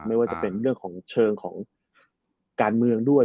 ไม่ว่าจะเป็นเรื่องของเชิงของการเมืองด้วย